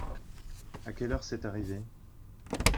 À quelle heure c'est arrivé ?